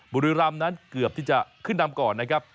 บุรีรำนั้นเกือบที่จะขึ้นนำก่อนนะครับ